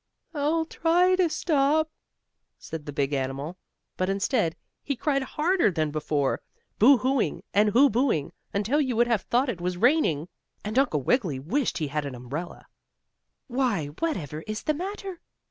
"I'll try to stop," said the big animal, but, instead, he cried harder than before, boo hooing and hoo booing, until you would have thought it was raining, and Uncle Wiggily wished he had an umbrella. "Why, whatever is the matter?"